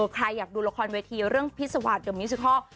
ใครอยากดูละครเวทีเรื่องภิษวาสเดอร์มิวซิคอล